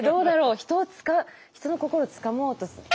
人をつか人の心をつかもうとする。